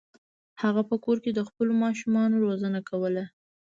هغه په کور کې د خپلو ماشومانو روزنه کوله.